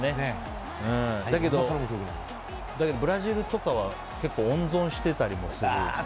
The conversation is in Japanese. だけど、ブラジルとかは結構温存していたりもする。